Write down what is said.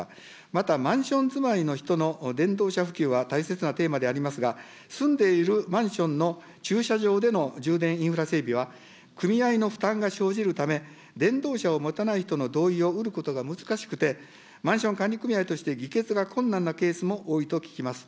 また、マンション住まいの人の電動車普及は大切なテーマでありますが、住んでいるマンションの駐車場での充電インフラ整備は、組合の負担が生じるため、電動車を持たない人の同意を得ることが難しくて、マンション管理組合として議決が困難なケースも多いと聞きます。